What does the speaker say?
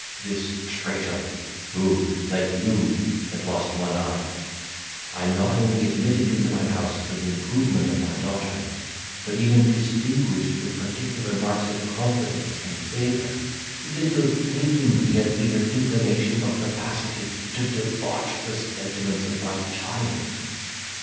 This traitor, who like you had lost one eye, I not only admitted into my house for the improvement of my daughter, but even distinguished with particular marks of confidence and favour, little thinking he had either inclination or capacity to debauch the sentiments of my child.